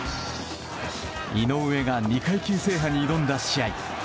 井上が２階級制覇に挑んだ試合。